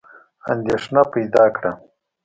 اندېښنه پیدا کړه.